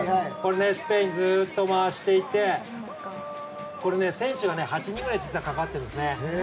スペインずっと回していて選手が８人ぐらい実は関わってるんですね。